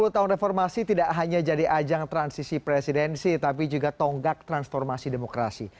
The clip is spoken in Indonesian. sepuluh tahun reformasi tidak hanya jadi ajang transisi presidensi tapi juga tonggak transformasi demokrasi